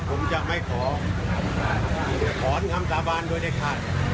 ขออนุญาตกรรมสาบานด้วยในค่ะ